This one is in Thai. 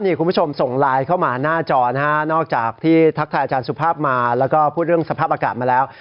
นอกจากที่ทักทายอาจารย์สุภาพมาแล้วก็พูดเรื่องสภาพอากาศมาแล้ว